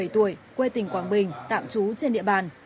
bảy mươi tuổi quê tỉnh quảng bình tạm trú trên địa bàn